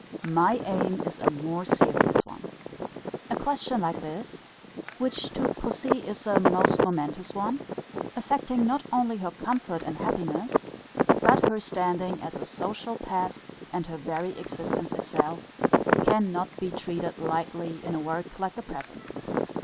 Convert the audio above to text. My aim is a more serious one. A question like this, which to pussy is a most momentous one, affecting not only her comfort and happiness, but her standing as a social pet and her very existence itself, cannot be treated lightly in a work like the present.